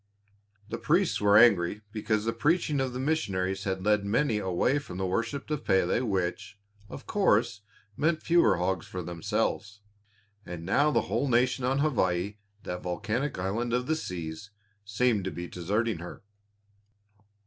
The priests were angry because the preaching of the missionaries had led many away from the worship of Pélé which, of course, meant fewer hogs for themselves; and now the whole nation on Hawaii, that volcanic island of the seas, seemed to be deserting her.